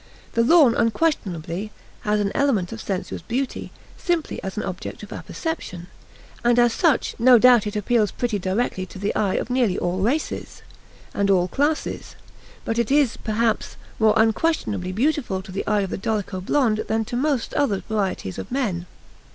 The lawn unquestionably has an element of sensuous beauty, simply as an object of apperception, and as such no doubt it appeals pretty directly to the eye of nearly all races and all classes; but it is, perhaps, more unquestionably beautiful to the eye of the dolicho blond than to most other varieties of men.